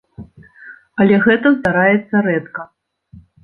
Але гэта здараецца рэдка.